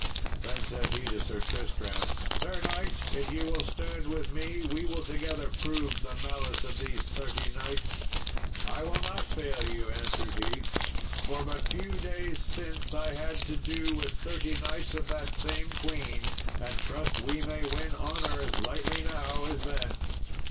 Then said he to Sir Tristram, "Sir knight, if ye will stand with me, we will together prove the malice of these thirty knights." "I will not fail you," answered he, "for but few days since I had to do with thirty knights of that same queen, and trust we may win honour as lightly now as then."